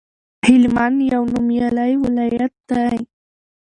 هلمند یو نومیالی ولایت دی